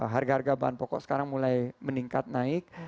harga harga bahan pokok sekarang mulai meningkat naik